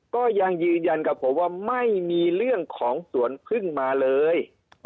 ก็ยังยืนยันกับผมว่าไม่มีเรื่องของสวนพึ่งมาเลย